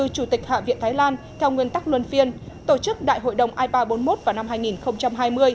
chủ tịch hạ viện thái lan theo nguyên tắc luân phiên tổ chức đại hội đồng i ba trăm bốn mươi một vào năm hai nghìn hai mươi